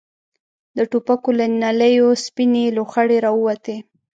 د ټوپکو له نليو سپينې لوخړې را ووتې.